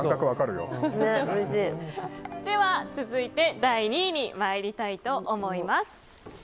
では続いて第２位に参りたいと思います。